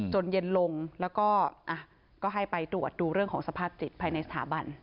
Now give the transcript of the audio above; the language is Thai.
เย็นลงแล้วก็ให้ไปตรวจดูเรื่องของสภาพจิตภายในสถาบัน